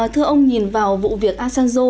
thưa ông nhìn vào vụ việc asanzo